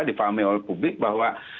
difahami oleh publik bahwa